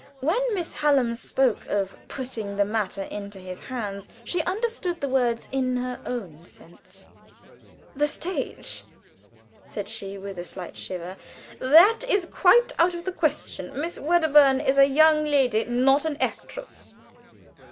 When Miss Hallam spoke of "putting the matter into his hands," she understood the words in her own sense. "The stage!" said she, with a slight shiver. "That is quite out of the question. Miss Wedderburn is a young lady not an actress."